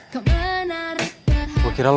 kau menarik berhati ligu